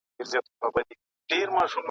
نه غزل سته په کتاب کي نه نغمه سته په رباب کي `